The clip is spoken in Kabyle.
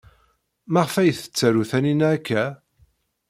Maɣef ay tettaru Taninna akka?